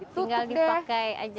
tinggal dipakai aja